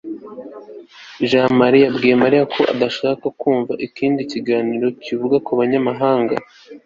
jamali yabwiye mariya ko adashaka kumva ikindi kiganiro kivuga ku banyamahanga